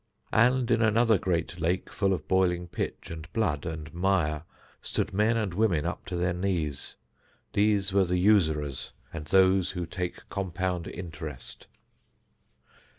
And in another great lake full of boiling pitch and blood and mire stood men and women up to their knees. These were the usurers and those who take compound interest.